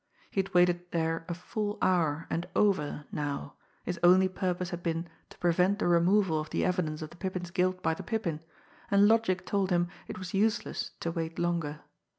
He had waited there a full hour and over now, his only purpose had been to prevent the removal of the evidence of the Pippin's guilt by the Pippin, and logic told him it was useless to wait longer.